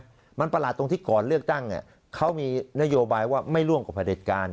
มันประหลาดตรงที่ก่อนเลือกตั้งเขามีนโยบายว่าไม่ร่วมกับประเด็จการ